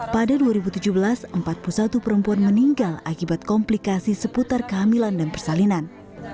pada dua ribu tujuh belas empat puluh satu perempuan meninggal akibat komplikasi seputar kehamilan dan persalinan